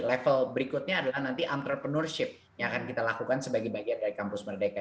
level berikutnya adalah nanti entrepreneurship yang akan kita lakukan sebagai bagian dari kampus merdeka